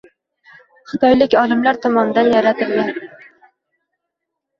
xitoylik olimlar tomonidan yaratilgan